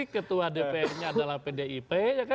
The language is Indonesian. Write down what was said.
ketua dpr nya adalah pdip